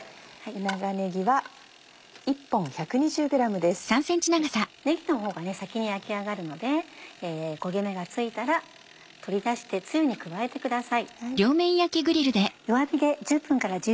ねぎのほうが先に焼き上がるので焦げ目がついたら取り出してつゆに加えてください。